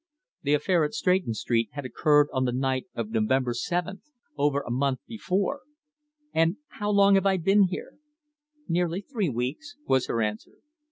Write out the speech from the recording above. The affair at Stretton Street had occurred on the night of November 7th, over a month before! "And how long have I been here?" "Nearly three weeks," was her answer.